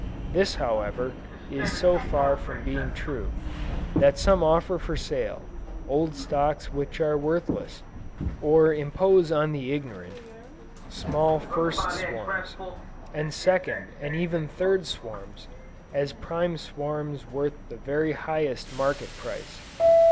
This however, is so far from being true, that some offer for sale, old stocks which are worthless, or impose on the ignorant, small first swarms, and second and even third swarms, as prime swarms worth the very highest market price.